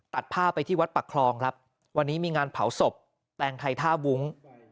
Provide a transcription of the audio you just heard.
ตัดผ้าไปที่วัดปักคลองครับวันนี้มีงานเผาศพแปลงไทยท่าวุ้ง